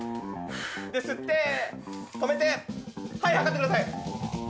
吸って止めてはい測ってください